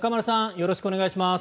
よろしくお願いします。